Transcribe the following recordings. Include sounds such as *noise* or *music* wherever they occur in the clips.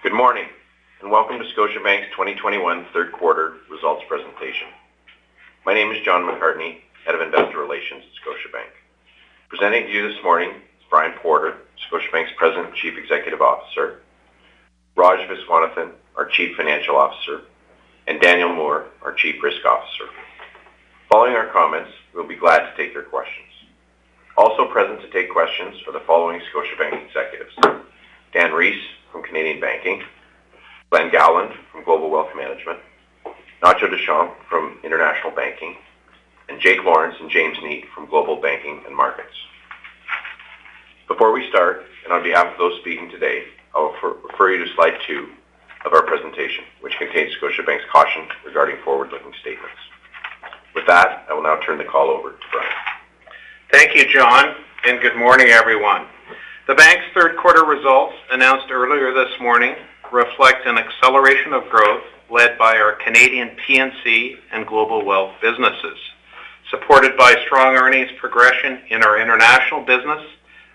Good morning, and welcome to Scotiabank's 2021 third quarter results presentation. My name is John McCartney, Head of Investor Relations at Scotiabank. Presenting to you this morning are Brian Porter, Scotiabank's President and Chief Executive Officer; Raj Viswanathan, our Chief Financial Officer; and Daniel Moore, our Chief Risk Officer. Following our comments, we'll be glad to take your questions. Also present to take questions were the following Scotiabank executives: Dan Rees from Canadian Banking, Glen Gowland from Global Wealth Management, Nacho Deschamps from International Banking, and Jake Lawrence and James Neate from Global Banking and Markets. Before we start, and on behalf of those speaking today, I'll refer you to slide two of our presentation, which contains Scotiabank's caution regarding forward-looking statements. With that, I will now turn the call over to Brian. Thank you, John, and good morning, everyone. The bank's third quarter results announced earlier this morning reflect an acceleration of growth led by our Canadian P&C and Global Wealth businesses, supported by strong earnings progression in our international business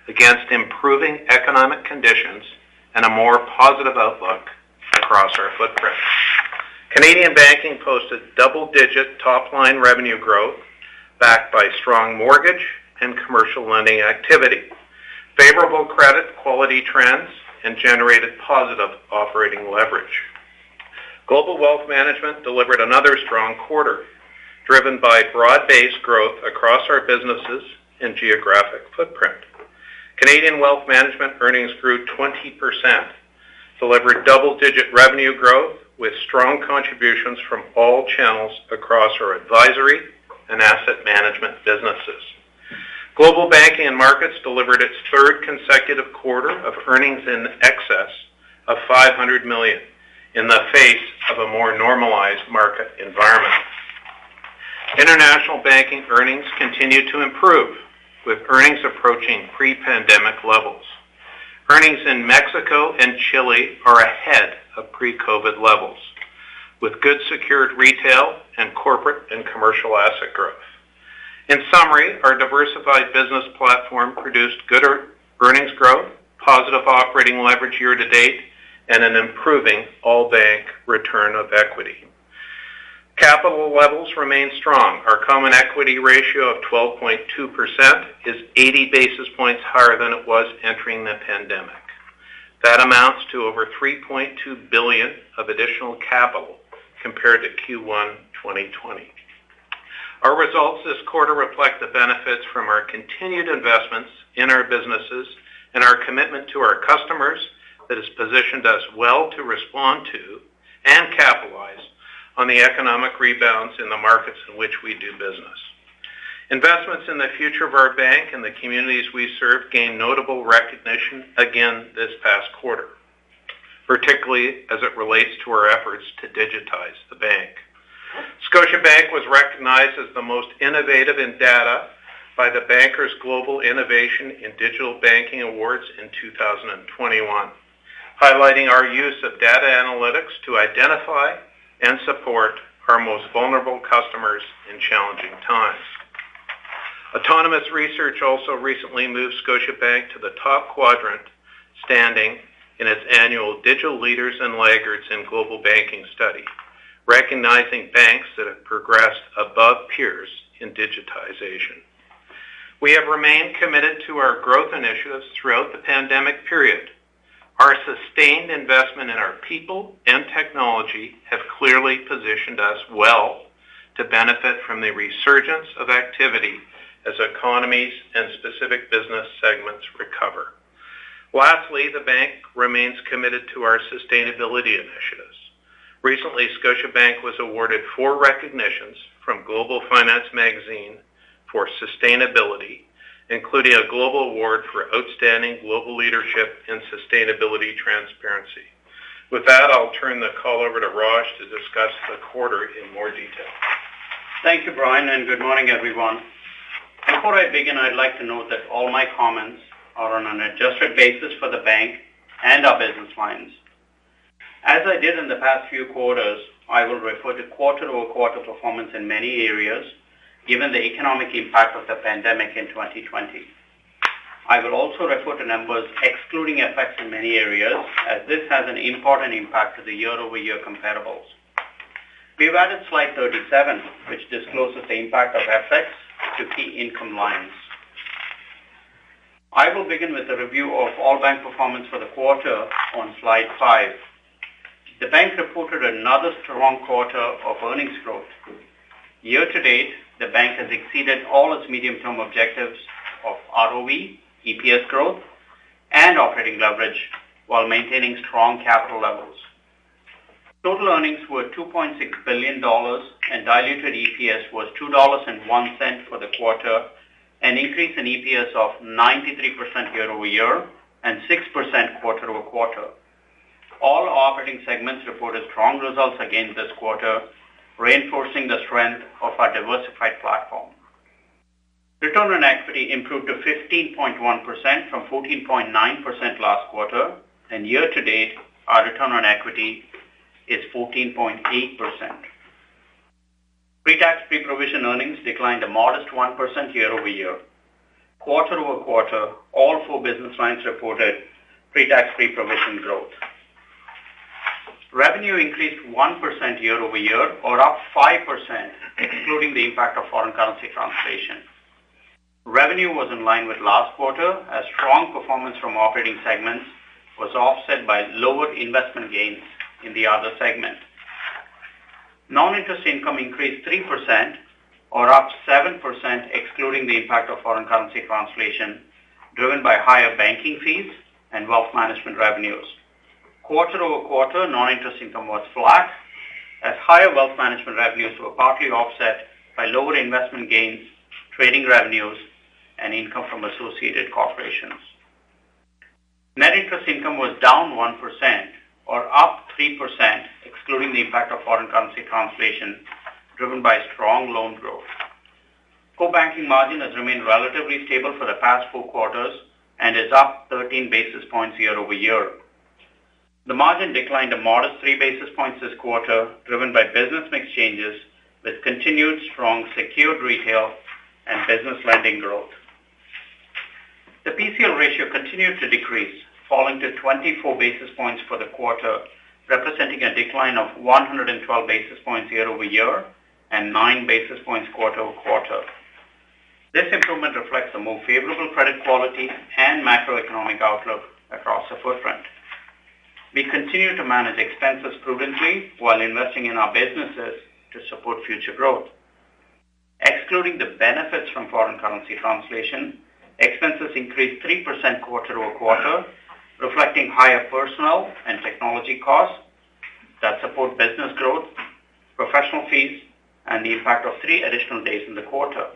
against improving economic conditions and a more positive outlook across our footprint. Canadian Banking posted double-digit top-line revenue growth backed by strong mortgage and commercial lending activity and favorable credit quality trends and generated positive operating leverage. Global Wealth Management delivered another strong quarter, driven by broad-based growth across our businesses and geographic footprint. Canadian Wealth Management earnings grew 20%, delivering double-digit revenue growth with strong contributions from all channels across our advisory and asset management businesses. Global Banking and Markets delivered its third consecutive quarter of earnings in excess of 500 million in the face of a more normalized market environment. International Banking earnings continue to improve, with earnings approaching pre-pandemic levels. Earnings in Mexico and Chile are ahead of pre-COVID levels, with good secured retail and corporate and commercial asset growth. In summary, our diversified business platform produced good earnings growth, positive operating leverage year to date, and an improving all-bank return on equity. Capital levels remain strong. Our common equity ratio of 12.2% is 80 basis points higher than it was entering the pandemic. That amounts to over 3.2 billion of additional capital compared to Q1 2020. Our results this quarter reflect the benefits from our continued investments in our businesses and our commitment to our customers that has positioned us well to respond to and capitalize on the economic rebounds in the markets in which we do business. Investments in the future of our bank and the communities we serve gained notable recognition again this past quarter, particularly as it relates to our efforts to digitize the bank. Scotiabank was recognized as the most innovative in data by The Banker Global Innovation in Digital Banking Awards in 2021, highlighting our use of data analytics to identify and support our most vulnerable customers in challenging times. Autonomous Research also recently moved Scotiabank to the top quadrant standing in its annual Digital Leaders and Laggards in Global Banking Study, recognizing banks that have progressed above peers in digitization. We have remained committed to our growth initiatives throughout the pandemic period. Our sustained investment in our people and technology has clearly positioned us well to benefit from the resurgence of activity as economies and specific business segments recover. Lastly, the bank remains committed to our sustainability initiatives. Recently, Scotiabank was awarded four recognitions from Global Finance Magazine for sustainability, including a global award for outstanding global leadership and sustainability transparency. With that, I'll turn the call over to Raj to discuss the quarter in more detail. Thank you, Brian. Good morning, everyone. Before I begin, I'd like to note that all my comments are on an adjusted basis for the bank and our business lines. As I did in the past few quarters, I will refer to quarter-over-quarter performance in many areas, given the economic impact of the pandemic in 2020. I will also refer to numbers excluding effects in many areas, as this has an important impact on the year-over-year comparables. We've added slide 37, which discloses the impact of effects on key income lines. I will begin with a review of all bank performance for the quarter on slide five. The bank reported another strong quarter of earnings growth. Year to date, the bank has exceeded all its medium-term objectives of ROE, EPS growth, and operating leverage while maintaining strong capital levels. Total earnings were 2.6 billion dollars and diluted EPS was 2.01 dollars for the quarter, an increase in EPS of 93% year-over-year and 6% quarter-over-quarter. All operating segments reported strong results again this quarter, reinforcing the strength of our diversified platform. Return on equity improved to 15.1% from 14.9% last quarter, and year-to-date, our return on equity is 14.8%. Pre-tax, pre-provision earnings declined a modest 1% year-over-year. Quarter-over-quarter, all four business lines reported pre-tax, pre-provision growth. Revenue increased 1% year-over-year or up 5%, including the impact of foreign currency translation. Revenue was in line with last quarter, as strong performance from operating segments was offset by lower investment gains in the other segment. Non-interest income increased 3% or up 7%, excluding the impact of foreign currency translation, driven by higher banking fees and wealth management revenues. Quarter-over-quarter, non-interest income was flat as higher wealth management revenues were partly offset by lower investment gains, trading revenues, and income from associated corporations. Net interest income was down 1% or up 3%, excluding the impact of foreign currency translation, driven by strong loan growth. Core banking margin has remained relatively stable for the past four quarters and is up 13 basis points year-over-year. The margin declined a modest 3 basis points this quarter, driven by business mix changes with continued strong secured retail and business lending growth. The PCL ratio continued to decrease, falling to 24 basis points for the quarter, representing a decline of 112 basis points year-over-year and 9 basis points quarter-over-quarter. This improvement reflects a more favorable credit quality and macroeconomic outlook across the footprint. We continue to manage expenses prudently while investing in our businesses to support future growth. Excluding the benefits from foreign currency translation, expenses increased 3% quarter-over-quarter, reflecting higher personnel and technology costs that support business growth, professional fees, and the impact of three additional days in the quarter.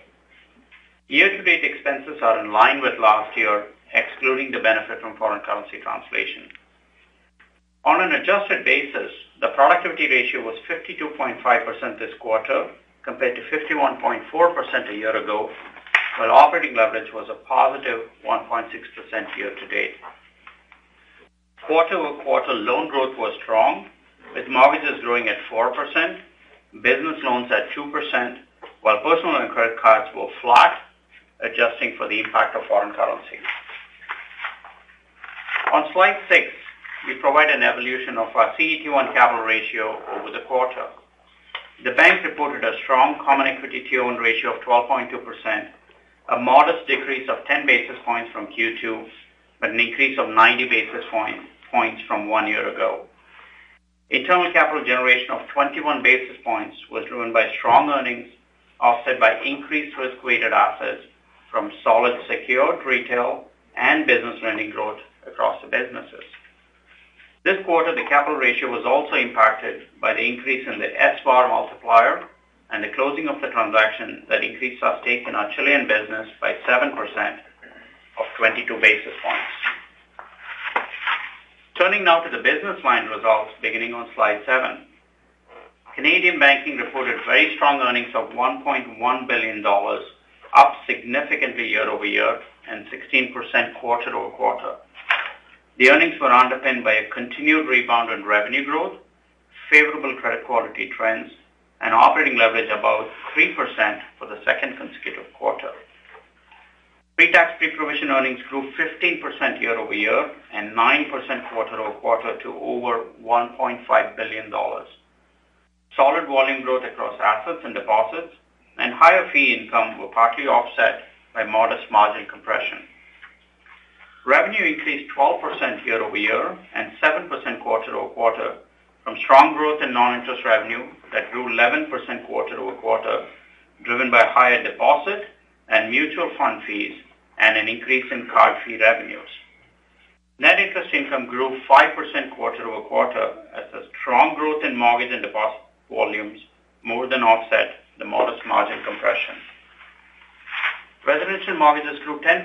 Year-to-date expenses are in line with last year, excluding the benefit from foreign currency translation. On an adjusted basis, the productivity ratio was 52.5% this quarter compared to 51.4% a year ago, while operating leverage was a positive 1.6% year-to-date. Quarter-over-quarter loan growth was strong, with mortgages growing at 4%, business loans at 2%, while personal and credit cards were flat, adjusting for the impact of foreign currency. On slide six, we provide an evolution of our CET1 capital ratio over the quarter. The bank reported a strong common equity tier one ratio of 12.2%, a modest decrease of 10 basis points from Q2, and an increase of 90 basis points from one year ago. Internal capital generation of 21 basis points was driven by strong earnings, offset by increased risk-weighted assets from solid secured retail and business lending growth across the businesses. This quarter, the capital ratio was also impacted by the increase in the SVaR multiplier and the closing of the transaction that increased our stake in our Chilean business by 7% of 22 basis points. Turning now to the business line results beginning on slide seven. Canadian Banking reported very strong earnings of 1.1 billion dollars, up significantly year-over-year and 16% quarter-over-quarter. The earnings were underpinned by a continued rebound in revenue growth, favorable credit quality trends, and operating leverage above 3% for the second consecutive quarter. pre-tax pre-provision earnings grew 15% year-over-year and 9% quarter-over-quarter to over 1.5 billion dollars. Solid volume growth across assets and deposits and higher fee income were partly offset by modest margin compression. Revenue increased 12% year-over-year and 7% quarter-over-quarter from strong growth in non-interest revenue that grew 11% quarter-over-quarter, driven by higher deposit and mutual fund fees and an increase in card fee revenues. Net interest income grew 5% quarter-over-quarter as the strong growth in mortgage and deposit volumes more than offset the modest margin compression. Residential mortgages grew 10%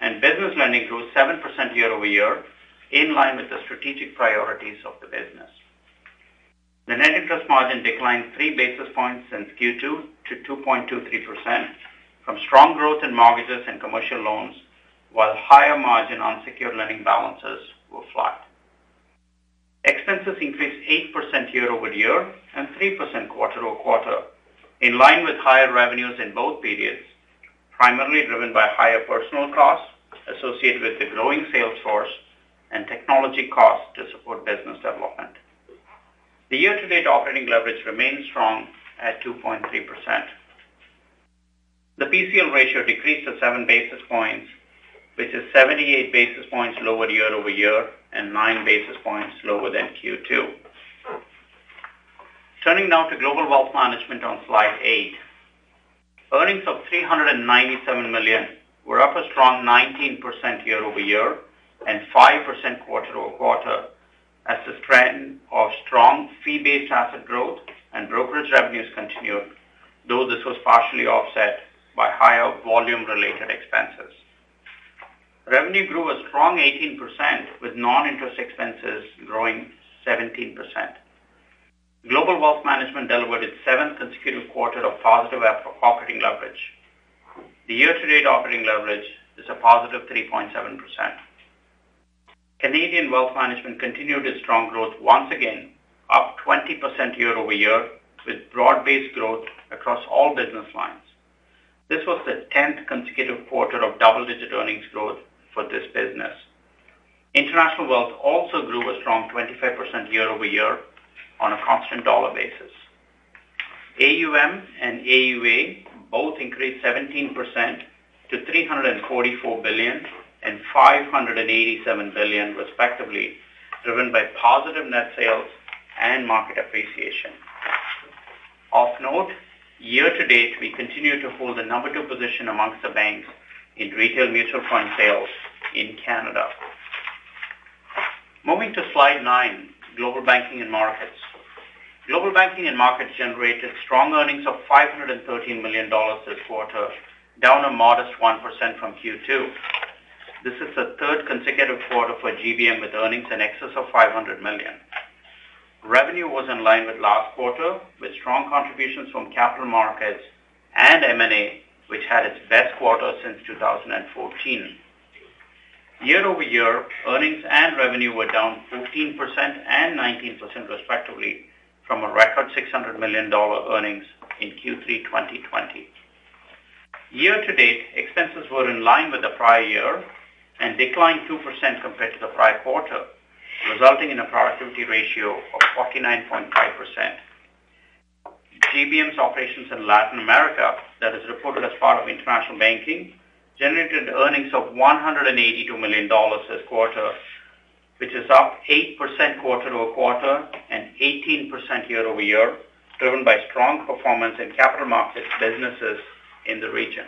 and business lending grew 7% year-over-year, in line with the strategic priorities of the business. The net interest margin declined 3 basis points since Q2 to 2.23% from strong growth in mortgages and commercial loans, while higher margin unsecured lending balances were flat. Expenses increased 8% year-over-year and 3% quarter-over-quarter, in line with higher revenues in both periods, primarily driven by higher personal costs associated with the growing sales force and technology costs to support business development. The year-to-date operating leverage remains strong at 2.3%. The PCL ratio decreased to 7 basis points, which is 78 basis points lower year-over-year and 9 basis points lower than Q2. Turning now to Global Wealth Management on slide eight. Earnings of 397 million were up a strong 19% year-over-year and 5% quarter-over-quarter as the trend of strong fee-based asset growth and brokerage revenues continued, though this was partially offset by higher volume-related expenses. Revenue grew a strong 18% with non-interest expenses growing 17%. Global Wealth Management delivered its seventh consecutive quarter of positive operating leverage. The year-to-date operating leverage is a positive 3.7%. Canadian Wealth Management continued its strong growth once again, up 20% year-over-year with broad-based growth across all business lines. This was the 10th consecutive quarter of double-digit earnings growth for this business. International Wealth also grew a strong 25% year-over-year on a constant dollar basis. AUM and AUA both increased 17% to 344 billion and 587 billion respectively, driven by positive net sales and market appreciation. Of note, year-to-date, we continue to hold the number two position amongst the banks in retail mutual fund sales in Canada. Moving to slide nine, Global Banking and Markets. Global Banking and Markets generated strong earnings of 513 million dollars this quarter, down a modest 1% from Q2. This is the third consecutive quarter for GBM with earnings in excess of 500 million. Revenue was in line with last quarter, with strong contributions from capital markets and M&A, which had its best quarter since 2014. Year-over-year, earnings and revenue were down 15% and 19% respectively from a record 600 million dollar earnings in Q3 2020. Year-to-date, expenses were in line with the prior year and declined 2% compared to the prior quarter, resulting in a productivity ratio of 49.5%. GBM's operations in Latin America, that is reported as part of International Banking, generated earnings of 182 million dollars this quarter, which is up 8% quarter-over-quarter and 18% year-over-year, driven by strong performance in capital markets businesses in the region.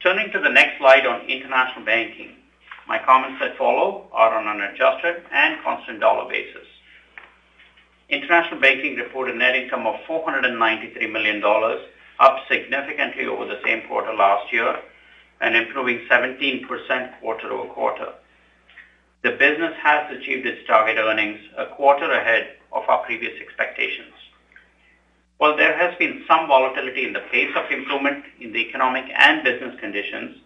Turning to the next slide on International Banking. My comments that follow are on an adjusted and constant dollar basis. International Banking reported net income of 493 million dollars, up significantly over the same quarter last year and improving 17% quarter-over-quarter. The business has achieved its target earnings a quarter ahead of our previous expectations. While there has been some volatility in the pace of improvement in the economic and business conditions,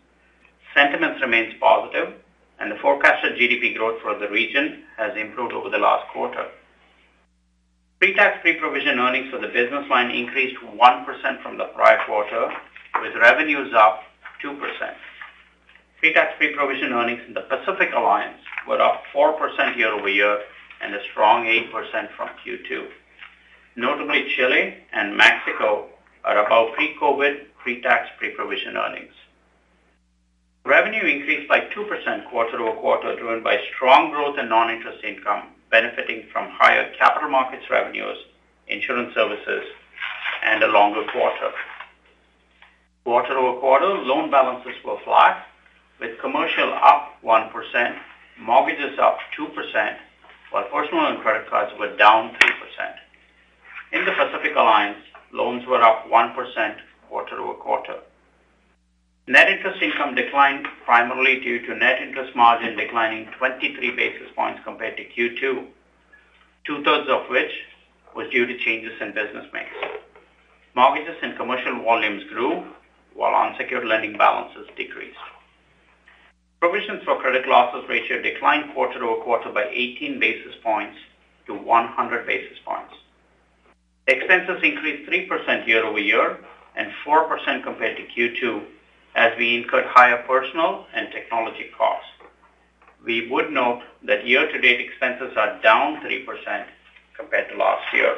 sentiment remains positive and the forecasted GDP growth for the region has improved over the last quarter. pre-tax pre-provision earnings for the business line increased 1% from the prior quarter, with revenues up 2%. pre-tax pre-provision earnings in the Pacific Alliance were up 4% year-over-year and a strong 8% from Q2. Notably, Chile and Mexico are above pre-COVID pre-tax pre-provision earnings. Revenue increased by 2% quarter-over-quarter, driven by strong growth in non-interest income, benefiting from higher capital markets revenues, insurance services, and a longer quarter. Quarter-over-quarter loan balances were flat, with commercial up 1%, mortgages up 2%, while personal and credit cards were down 3%. In the Pacific Alliance, loans were up 1% quarter-over-quarter. Net interest income declined primarily due to net interest margin declining 23 basis points compared to Q2, 2/3 of which was due to changes in business mix. Mortgages and commercial volumes grew while unsecured lending balances decreased. Provisions for credit losses ratio declined quarter-over-quarter by 18 basis points to 100 basis points. Expenses increased 3% year-over-year and 4% compared to Q2 as we incurred higher personal and technology costs. We would note that year-to-date expenses are down 3% compared to last year.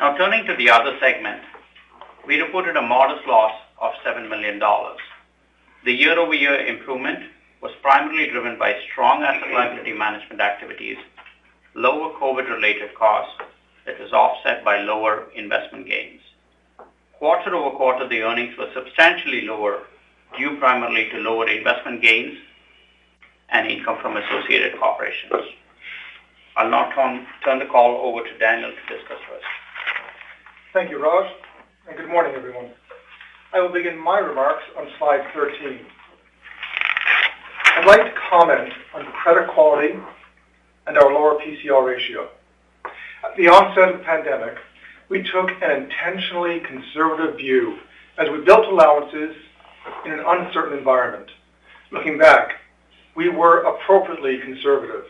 Now turning to the other segment, we reported a modest loss of 7 million dollars. The year-over-year improvement was primarily driven by strong asset-liability management activities, lower COVID-related costs that were offset by lower investment gains. Quarter-over-quarter, the earnings were substantially lower due primarily to lower investment gains and income from associated corporations. I'll now turn the call over to Daniel to discuss first. Thank you, Raj. Good morning, everyone. I will begin my remarks on slide 13. I would like to comment on credit quality and our lower PCL ratio. At the onset of the pandemic, we took an intentionally conservative view as we built allowances in an uncertain environment. Looking back, we were appropriately conservative,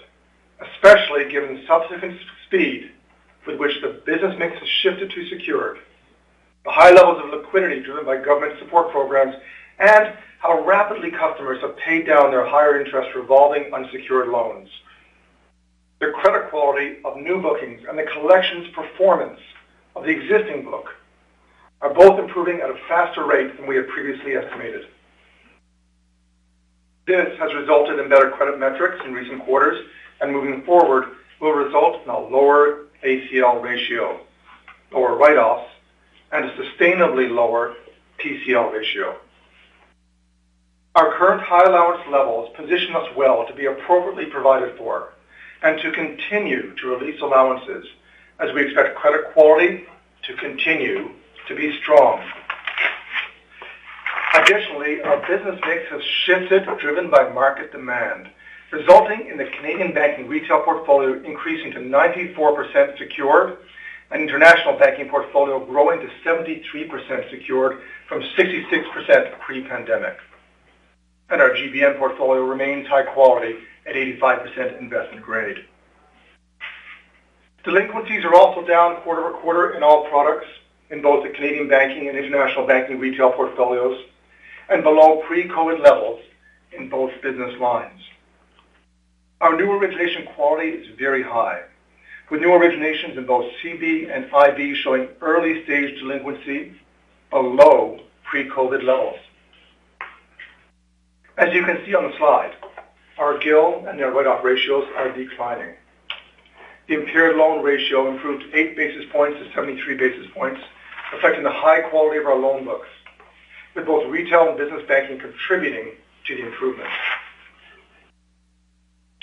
especially given the subsequent speed with which the business mix has shifted to secured, the high levels of liquidity driven by government support programs, and how rapidly customers have paid down their higher interest revolving unsecured loans. The credit quality of new bookings and the collections performance of the existing book are both improving at a faster rate than we had previously estimated. This has resulted in better credit metrics in recent quarters and moving forward will result in a lower ACL ratio or write-offs and a sustainably lower PCL ratio. Our current high allowance levels position us well to be appropriately provided for and to continue to release allowances as we expect credit quality to continue to be strong. Additionally, our business mix has shifted, driven by market demand, resulting in the Canadian Banking retail portfolio increasing to 94% secured and International Banking portfolio growing to 73% secured from 66% pre-pandemic. Our GBM portfolio remains high quality at 85% investment grade. Delinquencies are also down quarter-over-quarter in all products in both the Canadian Banking and International Banking retail portfolios and below pre-COVID levels in both business lines. Our new origination quality is very high, with new originations in both CB and IB showing early-stage delinquency below pre-COVID levels. As you can see on the slide, our GIL and net write-off ratios are declining. The impaired loan ratio improved 8 basis points to 73 basis points, reflecting the high quality of our loan books with both retail and business banking contributing to the improvement.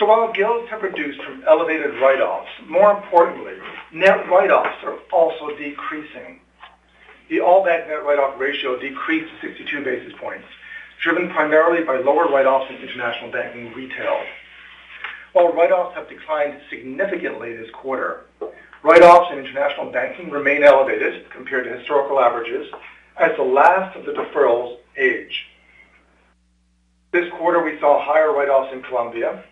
While GILs have reduced from elevated write-offs, more importantly, net write-offs are also decreasing. The all-bank net write-off ratio decreased 62 basis points, driven primarily by lower write-offs in International Banking retail. While write-offs have declined significantly this quarter, write-offs in International Banking remain elevated compared to historical averages as the last of the deferrals age. This quarter, we saw higher write-offs in Colombia,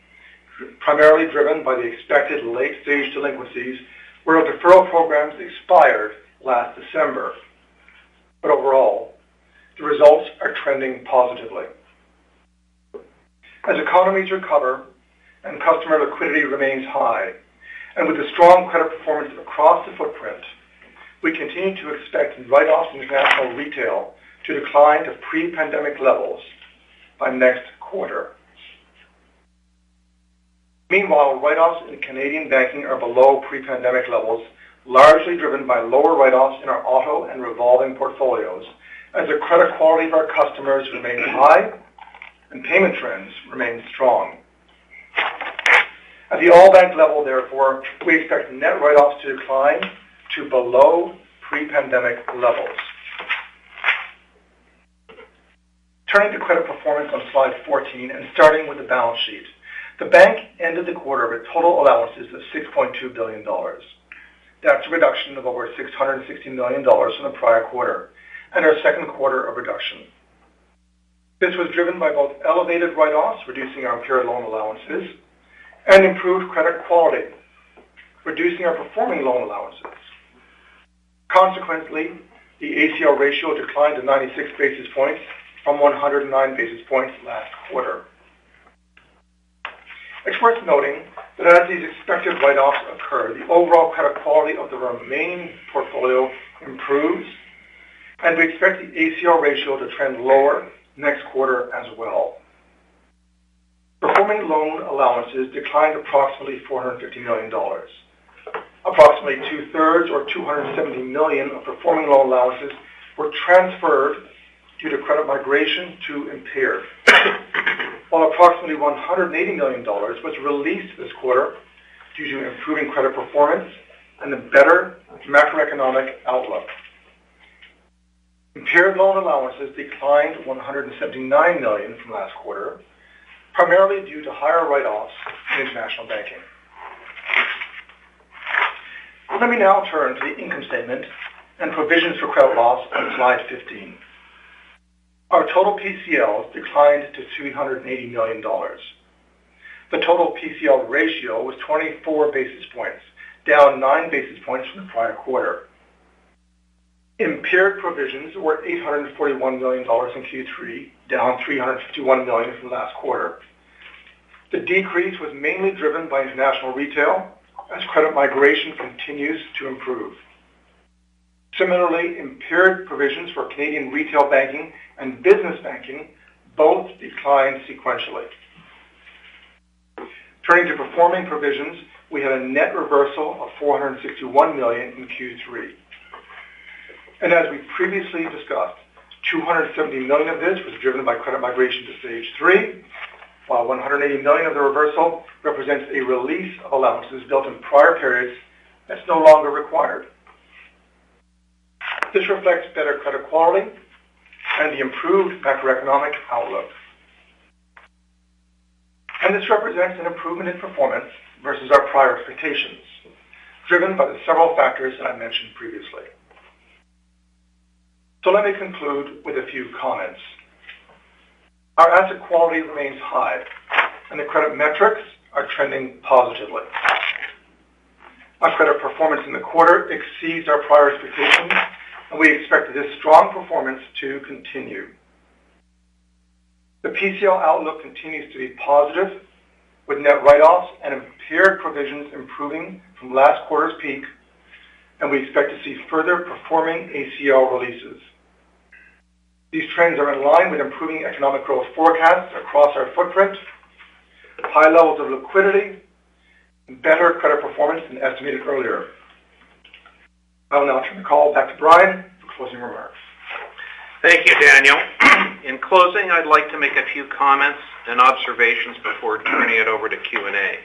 primarily driven by the expected late-stage delinquencies where our deferral programs expired last December. Overall, the results are trending positively. As economies recover and customer liquidity remains high, and with the strong credit performance across the footprint, we continue to expect write-offs in International Retail to decline to pre-pandemic levels by next quarter. Meanwhile, write-offs in Canadian Banking are below pre-pandemic levels, largely driven by lower write-offs in our auto and revolving portfolios as the credit quality of our customers remains high and payment trends remain strong. At the all-bank level therefore, we expect net write-offs to decline to below pre-pandemic levels. Turning to credit performance on slide 14 and starting with the balance sheet. The bank ended the quarter with total allowances of 6.2 billion dollars. That's a reduction of over 660 million dollars from the prior quarter and our second quarter of reduction. This was driven by both elevated write-offs reducing our impaired loan allowances and improved credit quality, reducing our performing loan allowances. Consequently, the ACL ratio declined to 96 basis points from 109 basis points last quarter. It's worth noting that as these expected write-offs occur, the overall credit quality of the remaining portfolio improves, and we expect the ACL ratio to trend lower next quarter as well. Performing loan allowances declined approximately 450 million dollars. Approximately 2/3 or 270 million, of performing loan allowances were transferred due to credit migration to impaired. Approximately 180 million dollars was released this quarter due to improving credit performance and a better macroeconomic outlook. Impaired loan allowances declined by 179 million from last quarter, primarily due to higher write-offs in International Banking. Let me now turn to the income statement and provisions for credit loss on slide 15. Our total PCL declined to 380 million dollars. The total PCL ratio was 24 basis points, down 9 basis points from the prior quarter. Impaired provisions were 841 million dollars in Q3, down 351 million from last quarter. The decrease was mainly driven by international retail as credit migration continues to improve. Similarly, impaired provisions for Canadian retail banking and business banking both declined sequentially. To performing provisions, we had a net reversal of 461 million in Q3. As we previously discussed, 270 million of this was driven by credit migration to Stage 3, while 180 million of the reversal represents a release of allowances built in prior periods that is no longer required. This reflects better credit quality and the improved macroeconomic outlook. This represents an improvement in performance versus our prior expectations, driven by the several factors that I mentioned previously. Let me conclude with a few comments. Our asset quality remains high, and the credit metrics are trending positively. Our credit performance in the quarter exceeds our prior expectations, and we expect this strong performance to continue. The PCL outlook continues to be positive with net write-offs and impaired provisions improving from last quarter's peak, and we expect to see further performing ACL releases. These trends are in line with improving economic growth forecasts across our footprint, high levels of liquidity, and better credit performance than estimated earlier. I will now turn the call back to Brian for closing remarks. Thank you, Daniel. In closing, I'd like to make a few comments and observations before turning it over to Q&A.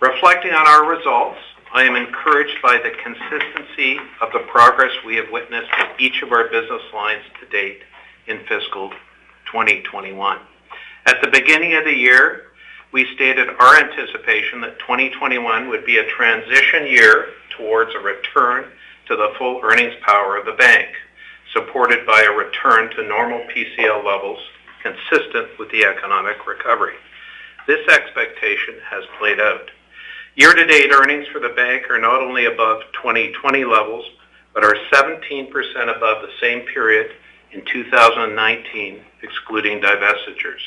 Reflecting on our results, I am encouraged by the consistency of the progress we have witnessed in each of our business lines to date in fiscal 2021. At the beginning of the year, we stated our anticipation that 2021 would be a transition year towards a return to the full earnings power of the bank, supported by a return to normal PCL levels consistent with the economic recovery. This expectation has played out. Year-to-date earnings for the bank are not only above 2020 levels but are 17% above the same period in 2019, excluding divestitures.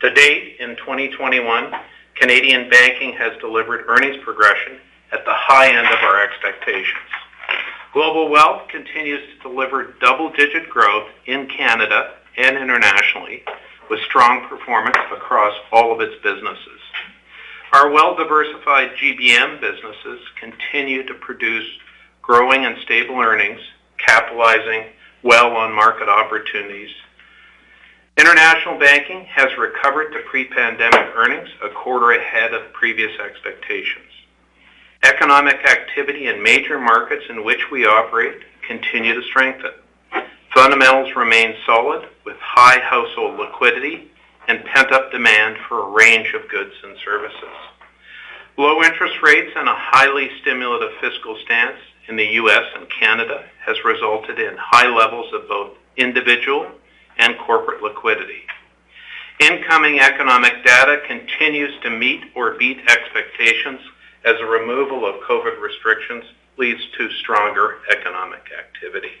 To date in 2021, Canadian Banking has delivered earnings progression at the high end of our expectations. Global Wealth continues to deliver double-digit growth in Canada and internationally, with strong performance across all of its businesses. Our well-diversified GBM businesses continue to produce growing and stable earnings, capitalizing well on market opportunities. International Banking has recovered to pre-pandemic earnings a quarter ahead of previous expectations. Economic activity in major markets in which we operate continues to strengthen. Fundamentals remain solid, with high household liquidity and pent-up demand for a range of goods and services. Low interest rates and a highly stimulative fiscal stance in the U.S. and Canada have resulted in high levels of both individual and corporate liquidity. Incoming economic data continues to meet or beat expectations as the removal of COVID restrictions leads to stronger economic activity.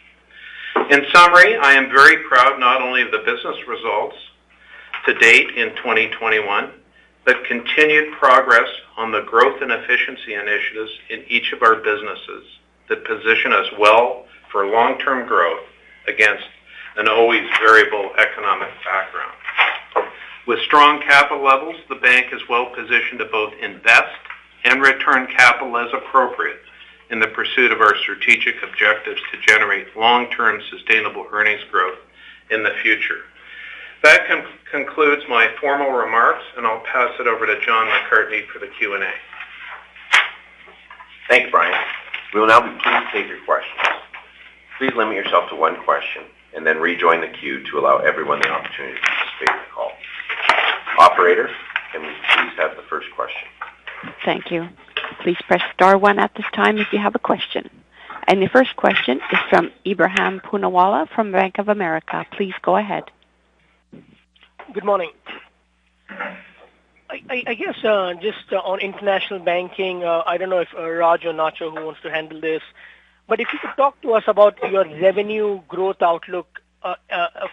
In summary, I am very proud not only of the business results to date in 2021, but continued progress on the growth and efficiency initiatives in each of our businesses that position us well for long-term growth against an always variable economic background. With strong capital levels, the bank is well positioned to both invest and return capital as appropriate in the pursuit of our strategic objectives to generate long-term sustainable earnings growth in the future. That concludes my formal remarks, and I'll pass it over to John McCartney for the Q&A. Thank you, Brian. We will now be pleased to take your questions. Please limit yourself to one question and then rejoin the queue to allow everyone the opportunity to participate in the call. Operator, can we please have the first question? Thank you. Please press star one at this time if you have a question. Your first question is from Ebrahim Poonawala from Bank of America. Please go ahead. Good morning. I guess just on International Banking. I don't know if Raj or Nacho wants to handle this; if you could talk to us about your revenue growth outlook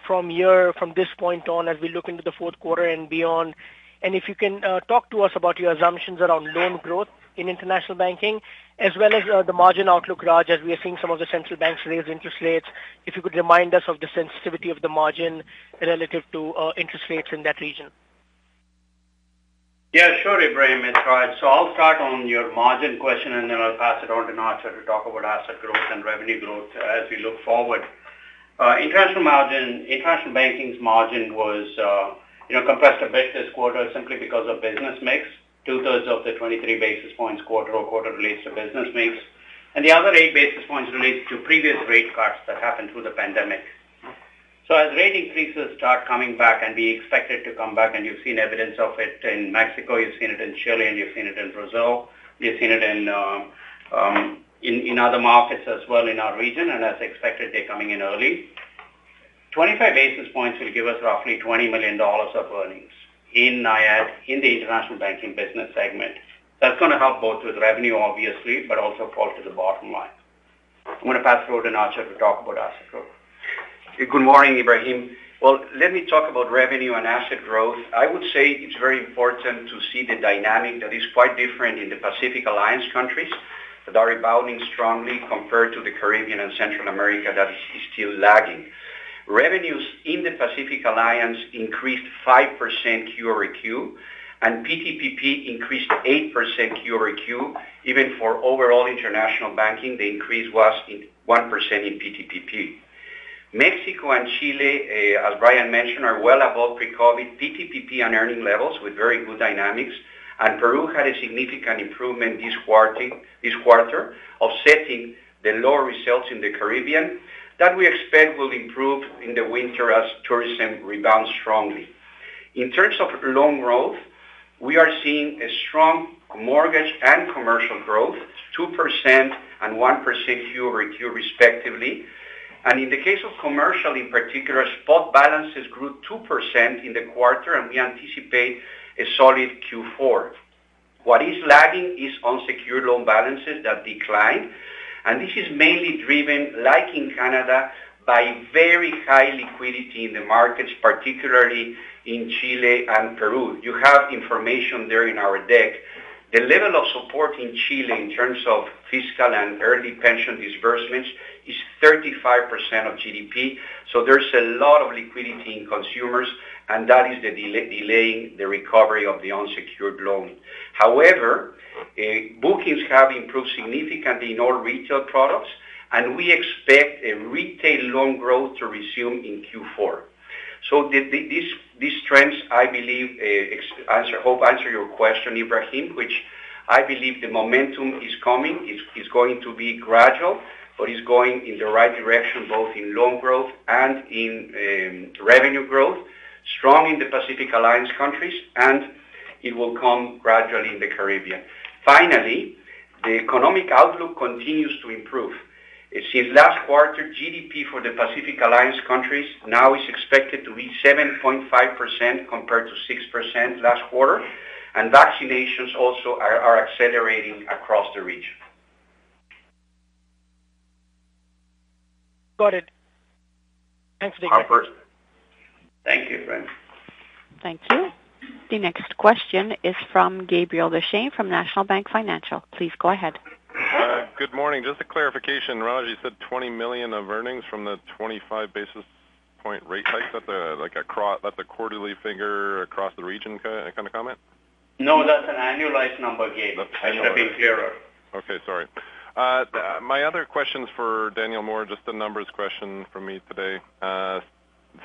from this point on as we look into the fourth quarter and beyond. If you can talk to us about your assumptions around loan growth in International Banking as well as the margin outlook, Raj, as we are seeing some of the central banks raise interest rates. If you could remind us of the sensitivity of the margin relative to interest rates in that region. Yeah, sure, Ebrahim, it's Raj. I'll start on your margin question, then I'll pass it on to Nacho to talk about asset growth and revenue growth as we look forward. International Banking's margin was compressed a bit this quarter simply because of business mix. 2/3 of the 23 basis points quarter-over-quarter relate to business mix; the other 8 basis points relate to previous rate cuts that happened through the pandemic. As rate increases start coming back, we expect it to come back; you've seen evidence of it in Mexico, you've seen it in Chile, and you've seen it in Brazil. We have seen it in other markets as well in our region. As expected, they're coming in early. 25 basis points will give us roughly 20 million dollars of earnings in IAB, in the International Banking business segment. That's going to help both with revenue, obviously, but also fall to the bottom line. I'm going to pass it over to Nacho to talk about asset growth. Good morning, Ebrahim. Well, let me talk about revenue and asset growth. I would say it's very important to see the dynamic that is quite different in the Pacific Alliance countries that are rebounding strongly compared to the Caribbean and Central America that is still lagging. Revenues in the Pacific Alliance increased 5% QoQ; PTPP increased 8% QoQ. Even for overall International Banking, the increase was 1% in PTPP. Mexico and Chile, as Brian mentioned, are well above pre-COVID PTPP and earning levels with very good dynamics. Peru had a significant improvement this quarter, offsetting the lower results in the Caribbean that we expect will improve in the winter as tourism rebounds strongly. In terms of loan growth, we are seeing strong mortgage and commercial growth, 2% and 1% QoQ respectively. In the case of commercial in particular, spot balances grew 2% in the quarter, and we anticipate a solid Q4. What is lagging is unsecured loan balances that declined, and this is mainly driven, like in Canada, by very high liquidity in the markets, particularly in Chile and Peru. You have information there in our deck. The level of support in Chile in terms of fiscal and early pension disbursements is 35% of GDP, so there's a lot of liquidity in consumers, and that is delaying the recovery of the unsecured loan. However, bookings have improved significantly in all retail products, and we expect retail loan growth to resume in Q4. These trends, I believe, hope to answer your question, Ebrahim, to which I believe the momentum is coming. It's going to be gradual, but it's going in the right direction, both in loan growth and in revenue growth, strong in the Pacific Alliance countries, and it will come gradually in the Caribbean. The economic outlook continues to improve. Since last quarter, GDP for the Pacific Alliance countries now is expected to be 7.5% compared to 6% last quarter, and vaccinations also are accelerating across the region. Got it. Thanks for the update. Our pleasure. Thank you, friend. Thank you. The next question is from Gabriel Dechaine from National Bank Financial. Please go ahead. Good morning. Just a clarification. Raj, you said 20 million of earnings from the 25-basis-point rate hike. Is that the quarterly figure across the region kind of comment? No, that's an annualized number, Gabe. That's annualized. *crosstalk* *crosstalk* I must have been hearing. Okay, sorry. My other question's for Daniel Moore, just a numbers question from me today.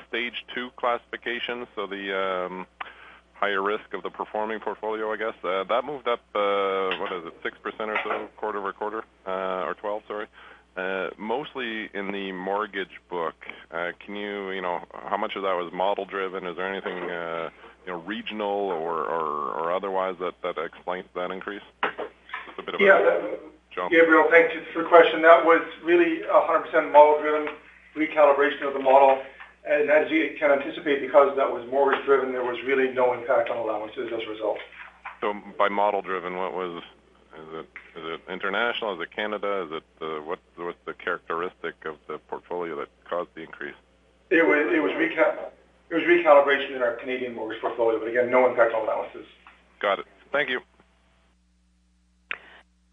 Stage 2 classification, so the higher risk of the performing portfolio, I guess. That moved up what is it, 6% or so quarter-over-quarter? Or 12, sorry. Mostly in the mortgage book. How much of that was model-driven? Is there anything regional or otherwise that explains that increase? Just a bit of a jump. Gabriel, thank you for your question. That was really 100% model-driven recalibration of the model. As you can anticipate, because that was mortgage-driven, there was really no impact on allowances as a result. By model-driven, is it international? Is it Canada? What's the characteristic of the portfolio that caused the increase? It was recalibration in our Canadian mortgage portfolio. Again, no impact on allowances. Got it. Thank you.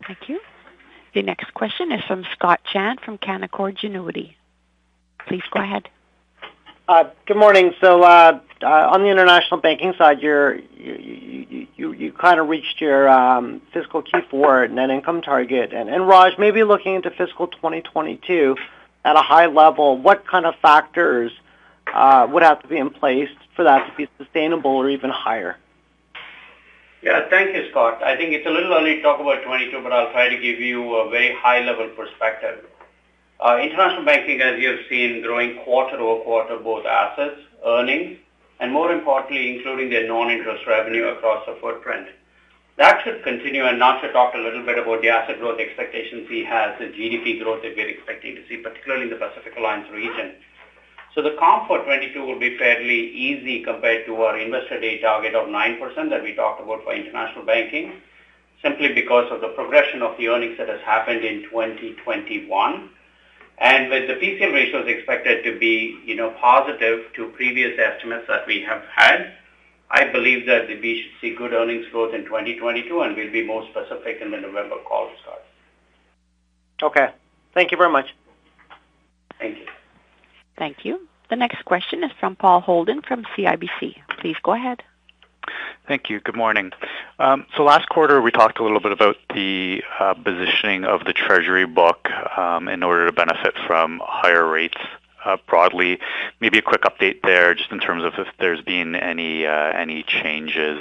Thank you. The next question is from Scott Chan from Canaccord Genuity. Please go ahead. Good morning. On the International Banking side, you kind of reached your fiscal Q4 net income target. Raj, maybe looking into fiscal 2022 at a high level, what kind of factors would have to be in place for that to be sustainable or even higher? Thank you, Scott. I think it's a little early to talk about 2022. I'll try to give you a very high-level perspective. International Banking, as you have seen, is growing quarter-over-quarter in both assets and earnings and, more importantly, including the non-interest revenue across the footprint. That should continue. Nacho Deschamps talked a little bit about the asset growth expectations he has and the GDP growth that we are expecting to see, particularly in the Pacific Alliance region. The comp for 2022 will be fairly easy compared to our Investor Day target of 9% that we talked about for International Banking, simply because of the progression of the earnings that have happened in 2021. With the PCL ratios expected to be positive to previous estimates that we have had, I believe that we should see good earnings growth in 2022, and we'll be more specific in the November call, Scott. Okay. Thank you very much. Thank you. The next question is from Paul Holden from CIBC. Please go ahead. Thank you. Good morning. Last quarter, we talked a little bit about the positioning of the treasury book in order to benefit from higher rates broadly. Maybe a quick update there, just in terms of if there's been any changes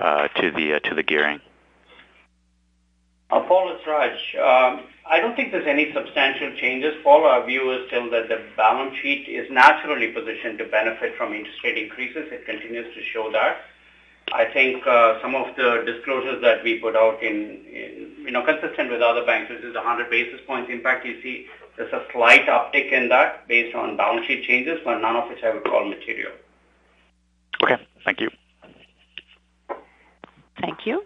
to the gearing. Paul, it's Raj. I don't think there's any substantial changes, Paul. Our view is still that the balance sheet is naturally positioned to benefit from interest rate increases. It continues to show that. I think some of the disclosures that we put out consistent with other banks, this is 100 basis points. In fact, you see there's a slight uptick in that based on balance sheet changes, but none of which I would call material. Okay, thank you. Thank you.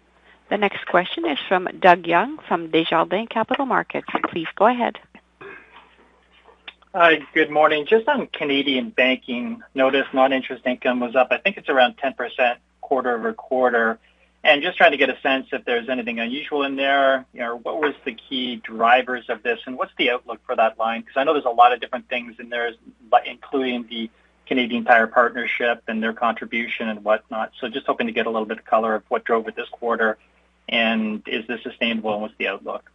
The next question is from Doug Young from Desjardins Capital Markets. Please go ahead. Hi, good morning. Just on Canadian Banking notice non-interest income was up, I think it's around 10% quarter-over-quarter. Just trying to get a sense if there's anything unusual in there. What were the key drivers of this, and what's the outlook for that line? I know there's a lot of different things in there, including the Canadian Tire partnership and their contribution and whatnot. Just hoping to get a little bit of color of what drove it this quarter, and is this sustainable, and what's the outlook?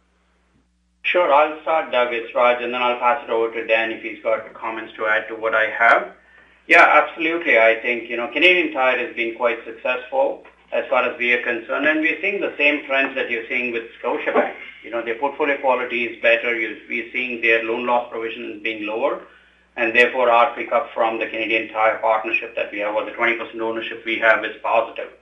Sure. I'll start, Doug, it's Raj. Then I'll pass it over to Dan if he's got comments to add to what I have. Yeah, absolutely. I think Canadian Tire has been quite successful as far as we are concerned. We are seeing the same trends that you're seeing with Scotiabank. Their portfolio quality is better. We're seeing their loan loss provisions being lower. Therefore, our pick-up from the Canadian Tire partnership that we have, or the 20% ownership we have, is positive.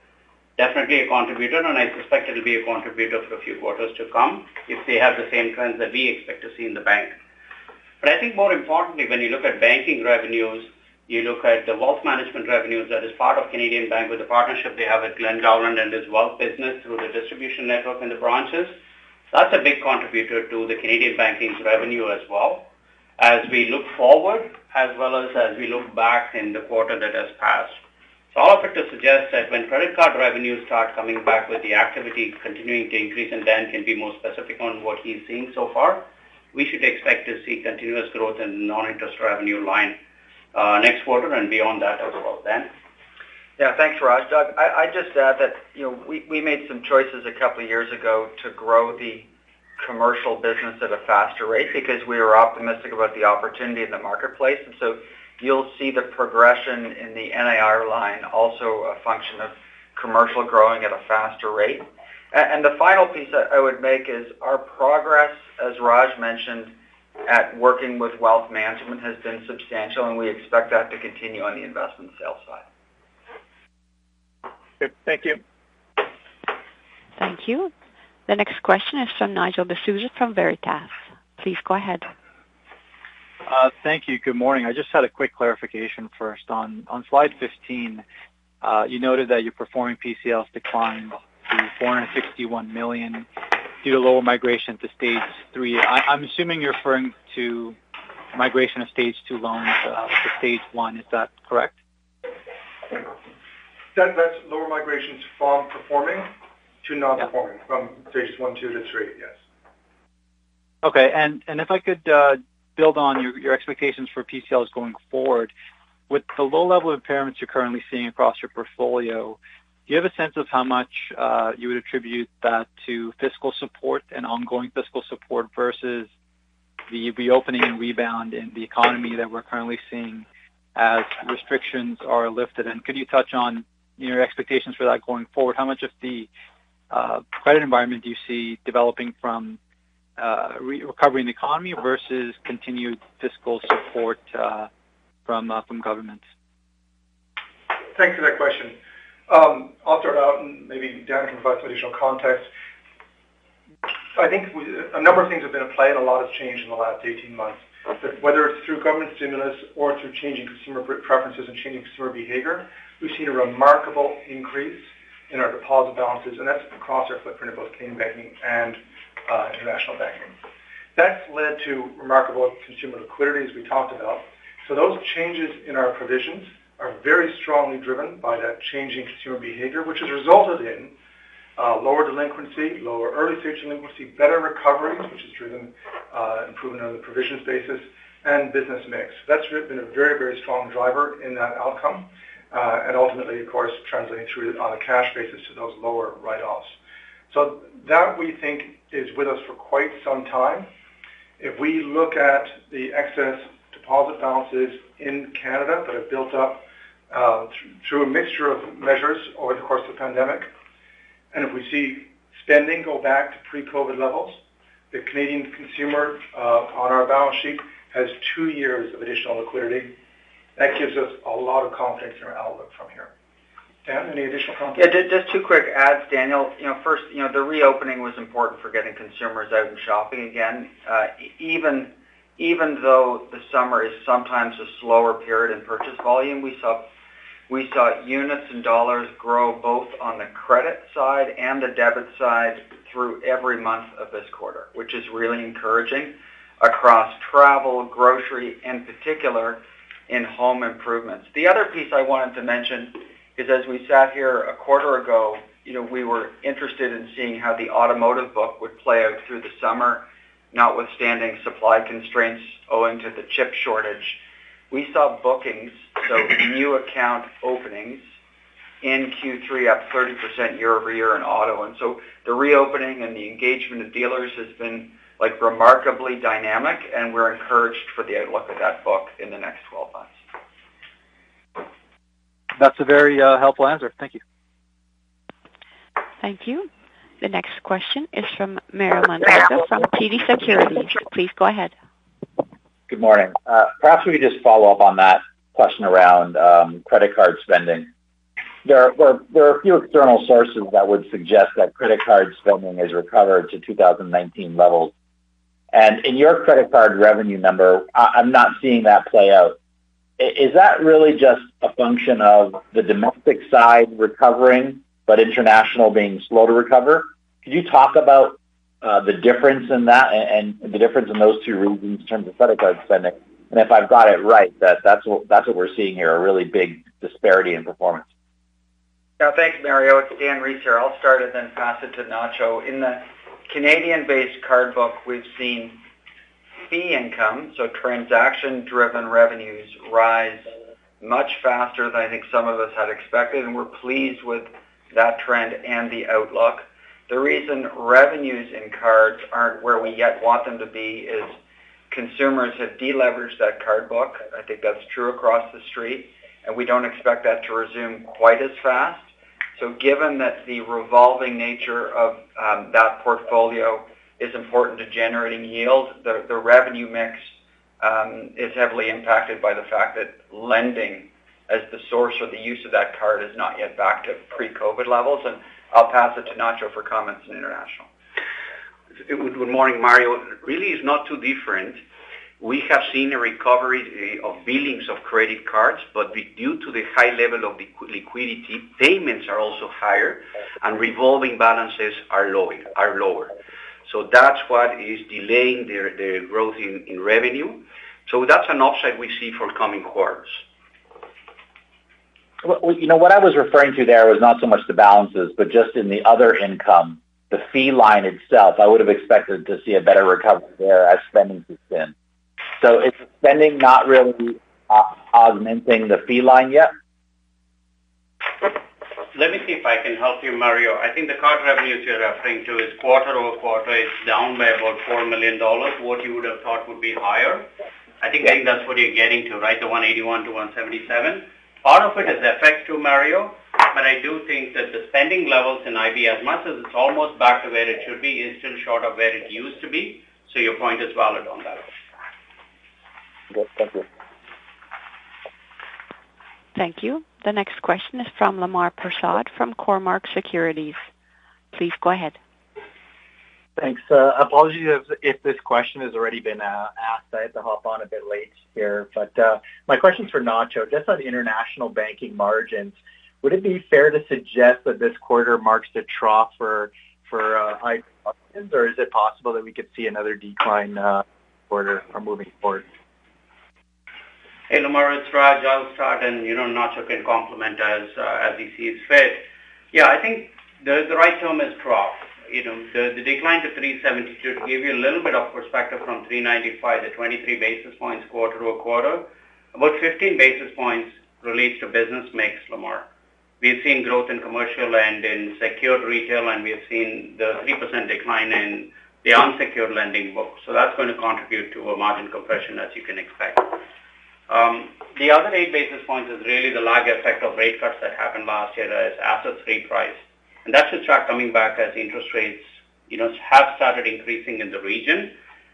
Definitely a contributor. I expect it'll be a contributor for a few quarters to come if they have the same trends that we expect to see in the bank. I think more importantly, when you look at banking revenues, you look at the wealth management revenues that are part of Canadian Banking with the partnership they have with Glen Gowland and his wealth business through the distribution network in the branches. That's a big contributor to the Canadian Banking's revenue as well as we look forward as well as we look back in the quarter that has passed. All of it to suggest that when credit card revenues start coming back with the activity continuing to increase, and Dan can be more specific on what he's seeing so far, we should expect to see continuous growth in non-interest revenue line next quarter and beyond that as well. Dan? Yeah, thanks, Raj. Doug, I'd just add that we made some choices a couple of years ago to grow the commercial business at a faster rate because we were optimistic about the opportunity in the marketplace. You'll see the progression in the NIR, also a function of commercial growing at a faster rate. The final piece I would make is our progress, as Raj mentioned, at working with Global Wealth Management has been substantial, and we expect that to continue on the investment sales side. Okay. Thank you. Thank you. The next question is from Nigel D'Souza from Veritas. Please go ahead. Thank you. Good morning. I just had a quick clarification first. On slide 15, you noted that your performing PCLs declined to 461 million due to lower migration to Stage 3. I'm assuming you're referring to migration of Stage 2 loans to Stage 1. Is that correct? That's lower migrations from performing to non-performing. Yeah from stages 1, 2-3. Yes. Okay. If I could build on your expectations for PCLs going forward. With the low-level impairments you're currently seeing across your portfolio, do you have a sense of how much you would attribute that to fiscal support and ongoing fiscal support versus the reopening and rebound in the economy that we're currently seeing as restrictions are lifted? Could you touch on your expectations for that going forward? How much of the credit environment do you see developing from a recovering economy versus continued fiscal support from governments? Thanks for that question. I'll start out and maybe Dan can provide some additional context. I think a number of things have been at play and a lot has changed in the last 18 months, whether it's through government stimulus or through changing consumer preferences and changing consumer behavior. We've seen a remarkable increase in our deposit balances, and that's across our footprint in both Canadian Banking and International Banking. That's led to remarkable consumer liquidity, as we talked about. Those changes in our provisions are very strongly driven by that changing consumer behavior, which has resulted in lower delinquency, lower early stage delinquency, better recoveries, which has driven improvement on the provisions basis, and business mix. That's been a very, very strong driver in that outcome. Ultimately, of course, translating through on a cash basis to those lower write-offs. That, we think, is with us for quite some time. If we look at the excess deposit balances in Canada that have built up through a mixture of measures over the course of the pandemic, and if we see spending go back to pre-COVID levels, the Canadian consumer on our balance sheet has two years of additional liquidity. That gives us a lot of confidence in our outlook from here. Dan, any additional comments? Yeah, just two quick adds, Daniel. First, the reopening was important for getting consumers out and shopping again. Even though the summer is sometimes a slower period in purchase volume, we saw units and dollars grow both on the credit side and the debit side through every month of this quarter, which is really encouraging across travel and grocery in particular. In home improvements. The other piece I wanted to mention is as we sat here a quarter ago, we were interested in seeing how the automotive book would play out through the summer, notwithstanding supply constraints owing to the chip shortage. We saw bookings, so new account openings in Q3 up 30% year-over-year in auto. The reopening and the engagement of dealers has been remarkably dynamic, and we're encouraged for the outlook of that book in the next 12 months. That's a very helpful answer. Thank you. Thank you. The next question is from Mario Mendonca from TD Securities. Please go ahead. Good morning. Perhaps if we just follow up on that question around credit card spending. There are a few external sources that would suggest that credit card spending has recovered to 2019 levels. In your credit card revenue number, I'm not seeing that play out. Is that really just a function of the domestic side recovering, but international being slow to recover? Could you talk about the difference in that and the difference in those two regions in terms of credit card spending? If I've got it right, that's what we're seeing here, a really big disparity in performance. Thanks, Mario. It's Dan Rees here. I'll start and then pass it to Nacho. In the Canadian-based card book, we've seen fee income, so transaction-driven revenues rise much faster than I think some of us had expected, and we're pleased with that trend and the outlook. The reason revenues in cards aren't where we yet want them to be is consumers have de-leveraged that card book. I think that's true across the street. We don't expect that to resume quite as fast. Given that the revolving nature of that portfolio is important to generating yield, the revenue mix is heavily impacted by the fact that lending as the source or the use of that card is not yet back to pre-COVID levels. I'll pass it to Nacho for comments in International. Good morning, Mario. Really, it's not too different. We have seen a recovery of billings of credit cards, but due to the high level of liquidity, payments are also higher and revolving balances are lower. That's what is delaying the growth in revenue. That's an upside we see for coming quarters. What I was referring to there was not so much the balances, but just in the other income, the fee line itself. I would have expected to see a better recovery there as spending has been. Is spending not really augmenting the fee line yet? Let me see if I can help you, Mario. I think the card revenues you're referring to are quarter-over-quarter; they're down by about 4 million dollars, which you would have thought would be higher. I think that's what you're getting to, right? The 181-177. Part of it is FX too, Mario, but I do think that the spending levels in IB, as much as it's almost back to where it should be, are still short of where it used to be. Your point is valid on that. Good. Thank you. Thank you. The next question is from Lemar Persaud from Cormark Securities. Please go ahead. Thanks. Apologies if this question has already been asked. I had to hop on a bit late here. My question's for Nacho. Just on International Banking margins, would it be fair to suggest that this quarter marks the trough for high margins, or is it possible that we could see another decline quarter moving forward? Hey, Lemar, it's Raj. I'll start, and Nacho can complement as he sees fit. Yeah, I think the right term is trough. The decline to 372, to give you a little bit of perspective, from 395, the 23 basis points quarter-over-quarter. About 15 basis points relates to business mix, Lemar. We've seen growth in commercial and in secured retail, and we have seen the 3% decline in the unsecured lending book. That's going to contribute to a margin compression as you can expect. The other 8 basis points is really the lag effect of rate cuts that happened last year as assets reprice. That should start coming back as interest rates have started increasing in the region.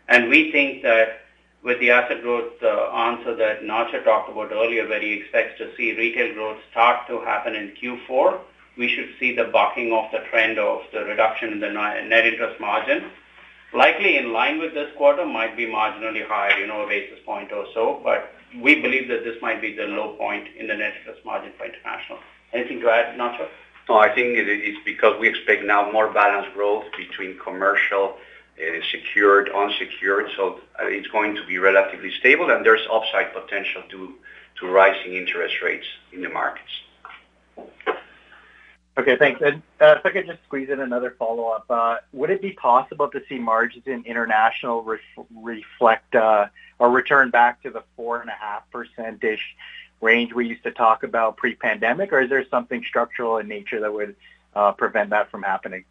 We think that with the asset growth answer that Nacho talked about earlier, where he expects to see retail growth start to happen in Q4, we should see the bucking of the trend of the reduction in the net interest margin. Likely in line with this quarter might be marginally higher, a basis point or so. We believe that this might be the low point in the net interest margin for International. Anything to add, Nacho? I think it's because we expect now more balanced growth between commercial secured, unsecured. It's going to be relatively stable, and there's upside potential to rising interest rates in the markets. Okay, thanks. If I could just squeeze in another follow-up. Would it be possible to see margins in International reflect or return back to the 4.5% range we used to talk about pre-pandemic, or is there something structural in nature that would prevent that from happening?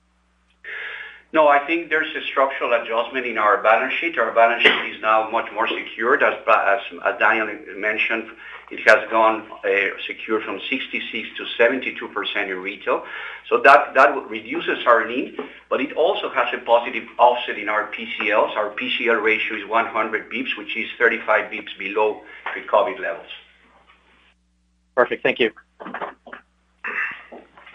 I think there's a structural adjustment in our balance sheet. Our balance sheet is now much more secured. As Daniel mentioned, it has gone secure from 66%-72% in retail. That reduces our need, but it also has a positive offset in our PCLs. Our PCL ratio is 100 basis points, which is 35 basis points below pre-COVID levels. Perfect. Thank you.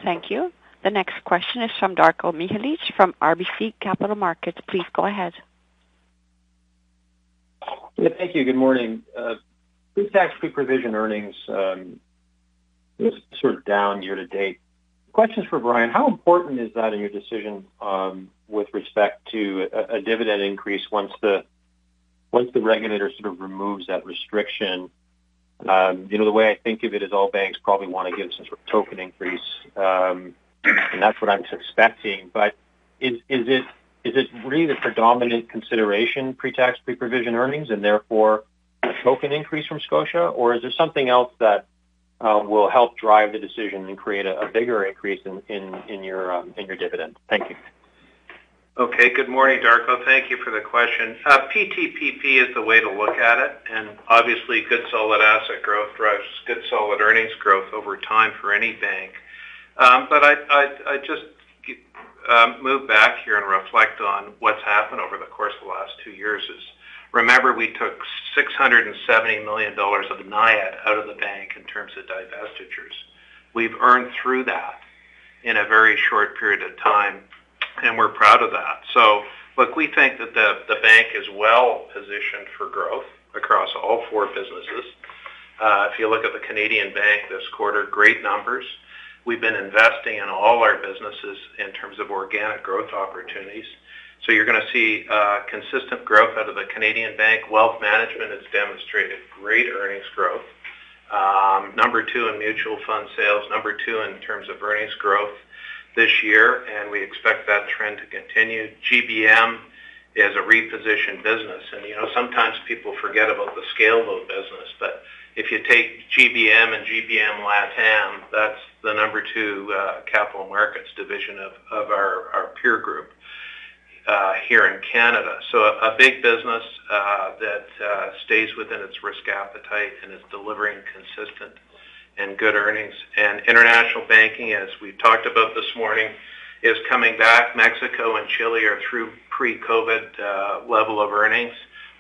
Thank you. The next question is from Darko Mihelic from RBC Capital Markets. Please go ahead. Yeah, thank you. Good morning. Pre-tax, pre-provision earnings. Just sort of down year to date. Questions for Brian. How important is that in your decision with respect to a dividend increase once the regulator sort of removes that restriction? The way I think of it is all banks probably want to give some sort of token increase. That's what I'm expecting. Is it really the predominant consideration pre-tax, pre-provision earnings and therefore a token increase from Scotia? Is there something else that will help drive the decision and create a bigger increase in your dividend? Thank you. Okay. Good morning, Darko. Thank you for the question. PTPP is the way to look at it. Obviously good solid asset growth drives good solid earnings growth over time for any bank. I just moved back here, and I reflect on what's happened over the course of the last two years: remember we took 670 million dollars of NIAT out of the bank in terms of divestitures. We've earned through that in a very short period of time. We're proud of that. Look, we think that the bank is well-positioned for growth across all four businesses. If you look at Canadian Banking this quarter, great numbers. We've been investing in all our businesses in terms of organic growth opportunities. You're going to see consistent growth out of the Canadian Banking. Global Wealth Management has demonstrated great earnings growth. Number two in mutual fund sales. Number two in terms of earnings growth this year. We expect that trend to continue. GBM is a repositioned business. Sometimes people forget about the scale of the business. If you take GBM and GBM LatAm, that's the number two capital markets division of our peer group here in Canada. A big business that stays within its risk appetite and is delivering consistent and good earnings. International Banking, as we've talked about this morning, is coming back. Mexico and Chile are through pre-COVID level of earnings.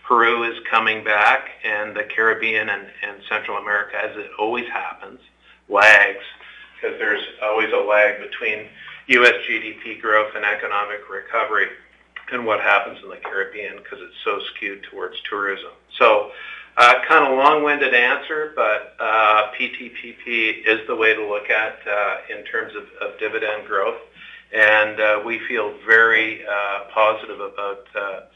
Peru is coming back. The Caribbean and Central America, as it always happens, lag because there's always a lag between U.S. GDP growth and economic recovery than what happens in the Caribbean because it's so skewed towards tourism. Kind of long-winded answer. PTPP is the way to look at in terms of dividend growth. We feel very positive about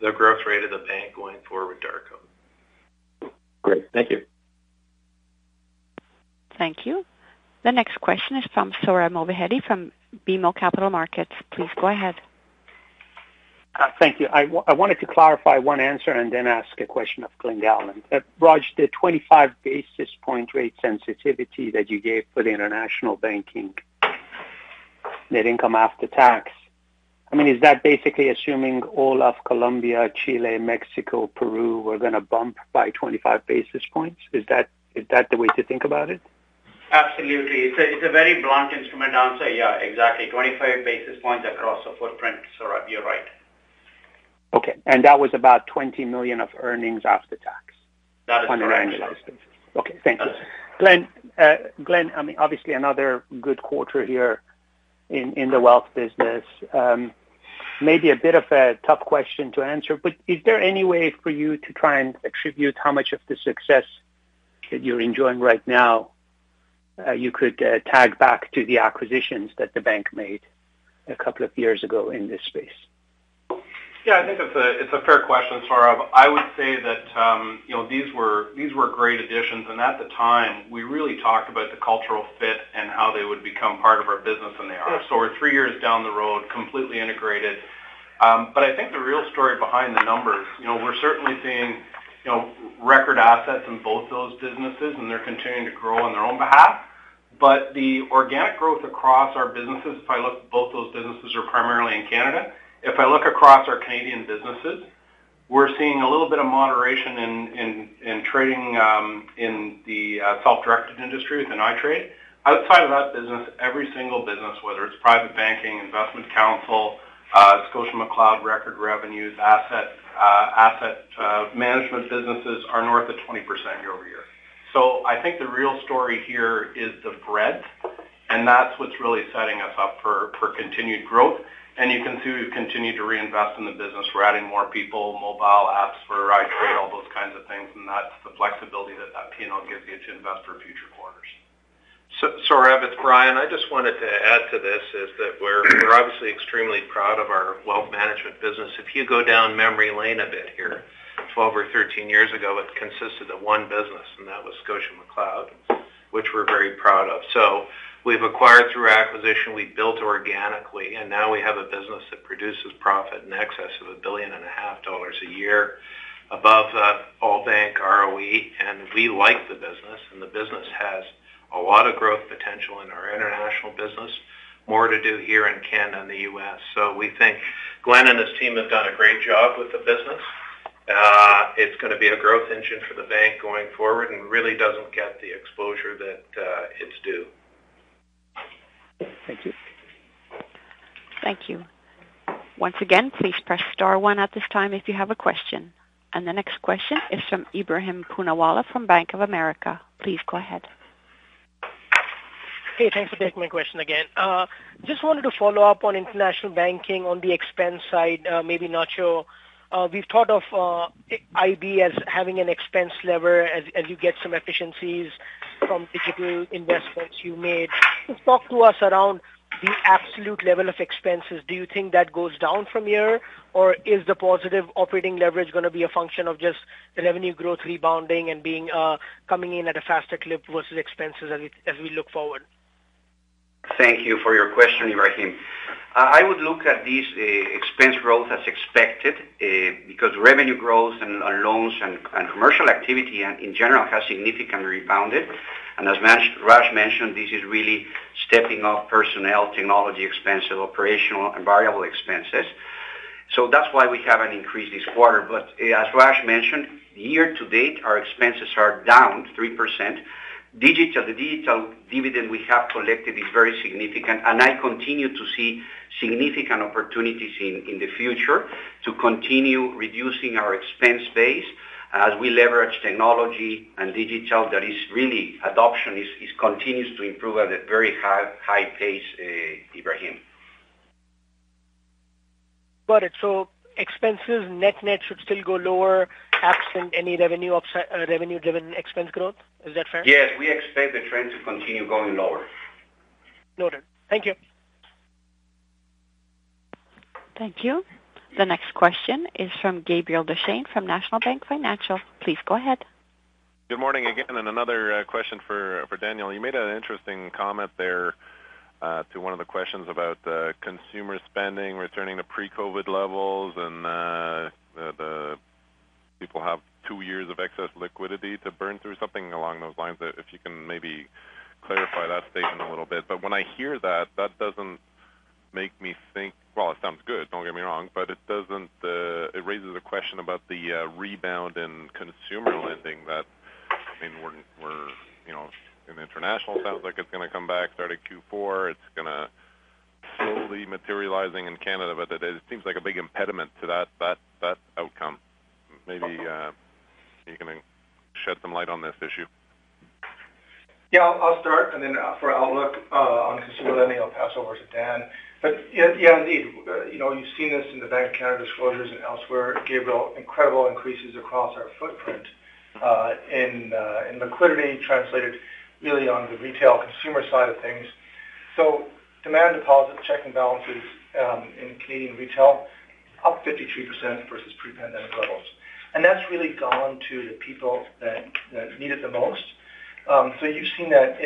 the growth rate of the bank going forward, Darko. Great. Thank you. Thank you. The next question is from Sohrab Movahedi from BMO Capital Markets. Please go ahead. Thank you. I wanted to clarify one answer and then ask a question of Glen Gowland. Raj, the 25 basis point rate sensitivity that you gave for the International Banking net income after tax, is that basically assuming all of Colombia, Chile, Mexico, Peru were going to bump by 25 basis points? Is that the way to think about it? Absolutely. It's a very blunt instrument answer. Yeah, exactly. 25 basis points across the footprint, Sohrab, you are right. Okay. That was about 20 million of earnings after tax. That is correct. on an annualized basis. Okay. Thank you. That's it. Glen, obviously another good quarter here in the wealth business. Maybe a bit of a tough question to answer, but is there any way for you to try and attribute how much of the success that you're enjoying right now you could tag back to the acquisitions that the bank made a couple of years ago in this space? Yeah, I think it's a fair question, Sohrab. I would say that these were great additions, and at the time, we really talked about the cultural fit and how they would become part of our business, and they are. We're three years down the road, completely integrated. I think the real story behind the numbers is we're certainly seeing record assets in both those businesses, and they're continuing to grow on their own behalf. The organic growth across our businesses, if I look at both those businesses, is primarily in Canada. If I look across our Canadian businesses, we're seeing a little bit of moderation in trading in the self-directed industry within iTRADE. Outside of that business, every single business, whether it's private banking, investment counsel, ScotiaMcLeod, record revenues, asset management businesses are north of 20% year-over-year. I think the real story here is the breadth, and that's what's really setting us up for continued growth. You can see we've continued to reinvest in the business. We're adding more people, mobile apps for Scotia iTRADE, all those kinds of things, and that's the flexibility that that P&L gives you to invest for future quarters. Sohrab, it's Brian. I just wanted to add to this that we're obviously extremely proud of our wealth management business. If you go down memory lane a bit here, 12 or 13 years ago, it consisted of one business, and that was ScotiaMcLeod, which we're very proud of. We've acquired through acquisition, we built organically, and now we have a business that produces profit in excess of a billion and a half CAD a year above all bank ROE, and we like the business, and the business has a lot of growth potential in our International Banking. More to do here in Canada and the U.S. We think Glen and his team have done a great job with the business. It's going to be a growth engine for the bank going forward and really doesn't get the exposure that it's due. Thank you. Thank you. Once again, please press star one at this time if you have a question. The next question is from Ebrahim Poonawala from Bank of America. Please go ahead. Hey, thanks for taking my question again. Just wanted to follow up on International Banking on the expense side, maybe not sure. We've thought of IB as having an expense lever as you get some efficiencies from digital investments you made. Can you talk to us about the absolute level of expenses? Do you think that goes down from here, or is the positive operating leverage going to be a function of just the revenue growth rebounding and coming in at a faster clip versus expenses as we look forward? Thank you for your question, Ebrahim. I would look at this expense growth as expected, because revenue growth and loans and commercial activity in general have significantly rebounded. As Raj mentioned, this is really stepping up personnel, technology expense, operational and variable expenses. That's why we have an increase this quarter. As Raj mentioned, year to date, our expenses are down 3%. Digital, the digital dividend we have collected is very significant, and I continue to see significant opportunities in the future to continue reducing our expense base as we leverage technology and digital that is really, adoption continues to improve at a very high pace, Ebrahim. Got it. Expenses net net should still go lower absent any revenue-driven expense growth. Is that fair? Yes, we expect the trend to continue going lower. Noted. Thank you. Thank you. The next question is from Gabriel Dechaine from National Bank Financial. Please go ahead. Good morning again, and another question for Daniel. You made an interesting comment there to one of the questions about consumer spending returning to pre-COVID levels and that people have two years of excess liquidity to burn through, something along those lines. If you can maybe clarify that statement a little bit. When I hear that, it doesn't make me think, Well, it sounds good, don't get me wrong, but it raises a question about the rebound in consumer lending that, internationally, sounds like it's going to come back starting in Q4. It's going to slowly materialize in Canada, but it seems like a big impediment to that outcome. Maybe you can shed some light on this issue. Yeah, I'll start and then for outlook on consumer lending, I'll pass over to Dan. Yeah, indeed. You've seen this in the Bank of Canada disclosures and elsewhere, Gabriel, incredible increases across our footprint in liquidity translated really on the retail consumer side of things. Demand deposits, checking balances in Canadian retail up 53% versus pre-pandemic levels. That's really gone to the people that need it the most. You've seen that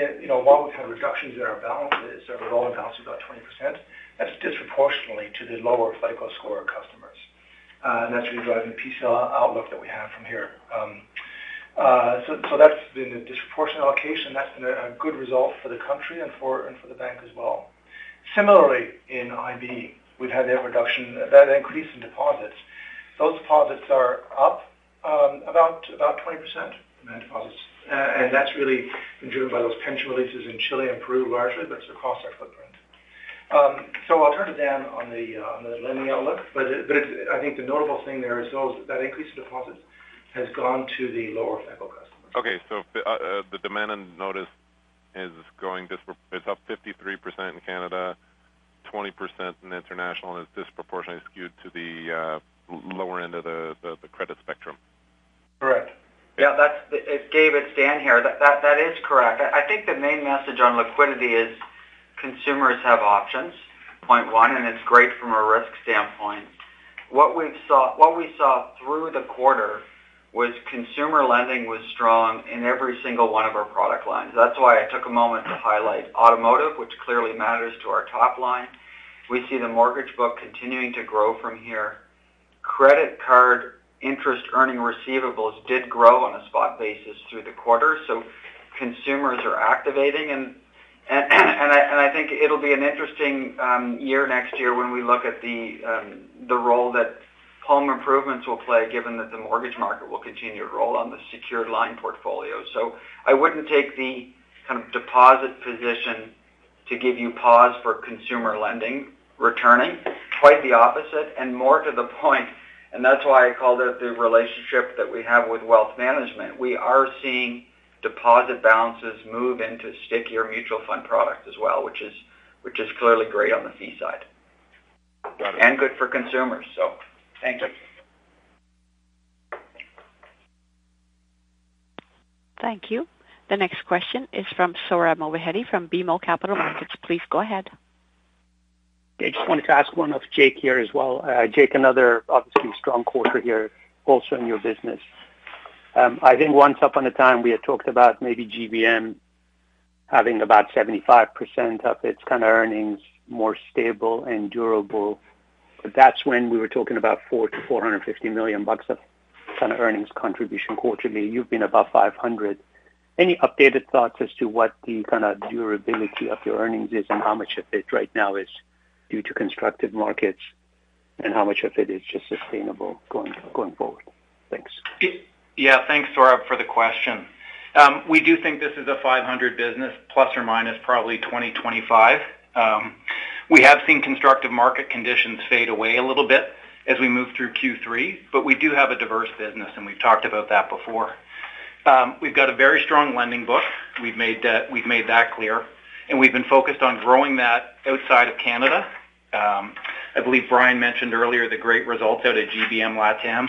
while we've had reductions in our balances, our loan balance is about 20%, that's disproportionately to the lower FICO score customers. That's really driving the PCL outlook that we have from here. That's been a disproportionate allocation. That's been a good result for the country and for the bank as well. Similarly, in IB, we've had the increase in deposits. Those deposits are up about 20%, demand deposits. That's really been driven by those pension releases in Chile and Peru largely, but it's across our footprint. I'll turn to Dan on the lending outlook, but I think the notable thing there is that the increase in deposits has gone to the lower FICO customers. Okay. The demand on notice is up 53% in Canada, 20% in International, and it's disproportionately skewed to the lower end of the credit spectrum. Correct. Yeah, Gabe, it's Dan here. That is correct. I think the main message on liquidity is consumers have options, point one, and it's great from a risk standpoint. What we saw through the quarter was that consumer lending was strong in every single one of our product lines. That's why I took a moment to highlight automotive, which clearly matters to our top line. We see the mortgage book continuing to grow from here. Credit card interest-earning receivables did grow on a spot basis through the quarter. Consumers are activating, and I think it'll be an interesting year next year when we look at the role that home improvements will play, given that the mortgage market will continue to roll on the secured line portfolio. I wouldn't take the kind of deposit position to give you pause for consumer lending returns. Quite the opposite, and more to the point, and that's why I called out the relationship that we have with wealth management. We are seeing deposit balances move into stickier mutual fund products as well, which is clearly great on the fee side. Got it. Good for consumers. Thank you. Thank you. The next question is from Sohrab Movahedi from BMO Capital Markets. Please go ahead. Okay. Just wanted to ask one of Jake here as well. Jake, another obviously strong quarter here also in your business. I think once upon a time, we had talked about maybe GBM having about 75% of its kind of earnings more stable and durable, but that's when we were talking about 400 million-450 million bucks of kind of earnings contribution quarterly. You've been above 500 million. Any updated thoughts as to what the kind of durability of your earnings is and how much of it right now is due to constructive markets, and how much of it is just sustainable going forward? Thanks. Yeah. Thanks, Sohrab, for the question. We do think this is a 500 business, ± probably 20-25. We have seen constructive market conditions fade away a little bit as we move through Q3. We do have a diverse business, and we've talked about that before. We've got a very strong lending book. We've made that clear, and we've been focused on growing that outside of Canada. I believe Brian mentioned earlier the great results out of GBM LatAm,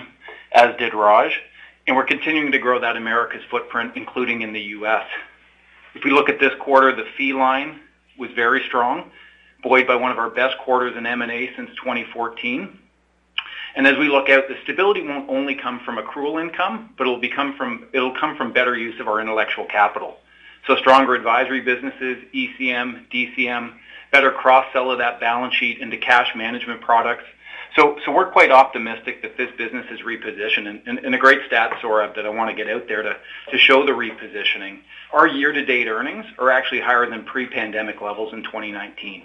as did Raj. We're continuing to grow America's footprint, including in the U.S. If we look at this quarter, the fee line was very strong, buoyed by one of our best quarters in M&A since 2014. As we look out, the stability won't only come from accrual income, but it'll come from better use of our intellectual capital. Stronger advisory businesses, ECM, DCM, better cross-sell of that balance sheet into cash management products. We're quite optimistic that this business is repositioned. A great stat, Sohrab, that I want to get out there to show the repositioning. Our year-to-date earnings are actually higher than pre-pandemic levels in 2019.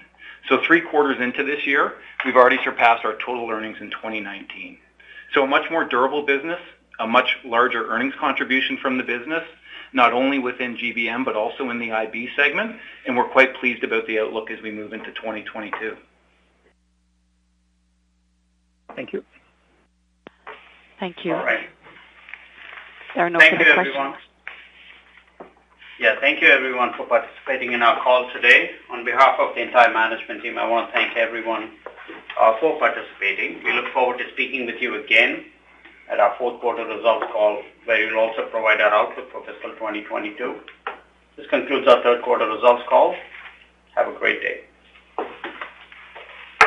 Three quarters into this year, we've already surpassed our total earnings in 2019. A much more durable business, a much larger earnings contribution from the business, not only within GBM, but also in the IB segment, and we're quite pleased about the outlook as we move into 2022. Thank you. Thank you. There are no further questions. Thank you, everyone. Yeah, thank you everyone for participating in our call today. On behalf of the entire management team, I want to thank everyone for participating. We look forward to speaking with you again at our fourth quarter results call, where we will also provide our outlook for fiscal 2022. This concludes our third quarter results call. Have a great day.